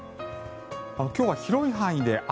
今日は広い範囲で雨。